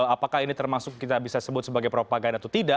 apakah ini termasuk kita bisa sebut sebagai propaganda atau tidak